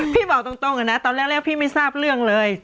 พี่บอกตรงกันนะตอนแรกพี่ไม่ทราบเรื่องเลย